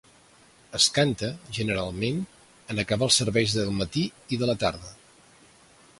Es canta, generalment, en acabar els serveis del matí i de la tarda.